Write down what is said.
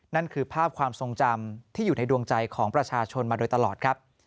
นั่นคือภาพความทรงจำที่อยู่ในดวงใจของประชาชนมาโดยตลอดครับ